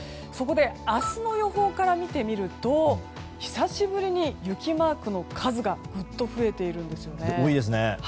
そこで明日の予報から見てみると久しぶりに雪マークの数がぐっと増えているんですよね。